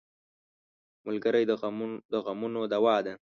ملګری د غمونو دوا ده.